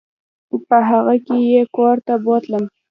په هغه کې یې کور ته بوتلم.